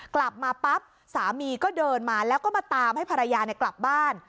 กลับมาปั๊บสามีก็เดินมาแล้วก็มาตามให้ภรรยากลับบ้าน